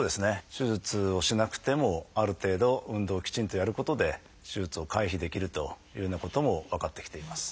手術をしなくてもある程度運動をきちんとやることで手術を回避できるというようなことも分かってきています。